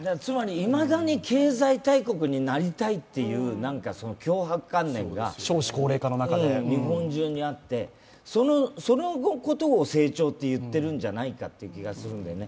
いまだに経済大国になりたいっていう強迫観念が日本中にあってそのことを成長と言っているんじゃないかという気がするんだよね。